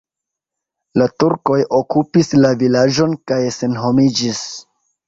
La turkoj okupis la vilaĝon kaj senhomiĝis.